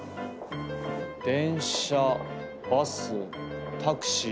電車バスタクシー。